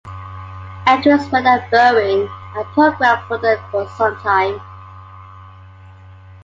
Edwards worked at Boeing and programmed for them for some time.